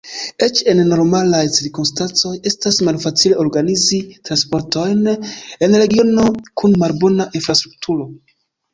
Eĉ en normalaj cirkonstancoj estas malfacile organizi transportojn en regiono kun malbona infrastrukturo.